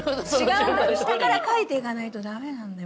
下から書いていかないと駄目なんだよね。